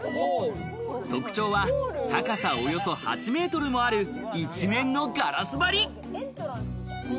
特徴は高さおよそ８メートルもある、一面のガラス張り。